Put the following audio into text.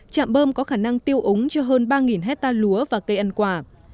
chạm bơm có khả năng tiêu ống cho hơn ba hecta lúa và cây ăn quả